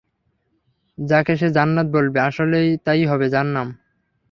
যাকে সে জান্নাত বলবে, আসলে তাই হবে জাহান্নাম।